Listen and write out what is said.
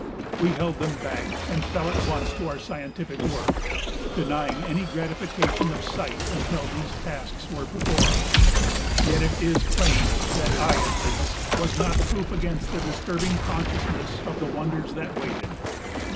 We held them back and fell at once to our scientific work, denying any gratification of sight until these tasks were performed, yet it is plain that I at least was not proof against the disturbing consciousness of the wonders that waited.